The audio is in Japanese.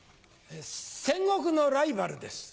戦国のライバルです。